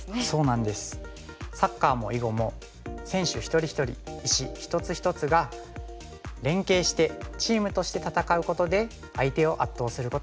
サッカーも囲碁も選手一人一人石一つ一つが連携してチームとして戦うことで相手を圧倒することができます。